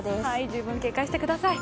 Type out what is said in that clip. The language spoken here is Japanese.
十分警戒してください。